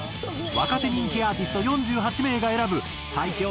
若手人気アーティスト４８名が選ぶ最強